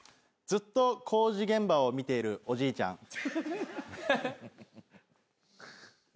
ずっと工事現場を見ているおじいちゃん。